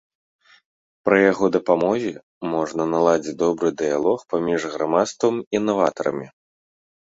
Пры яго дапамозе можна наладзіць добры дыялог паміж грамадствам і наватарамі.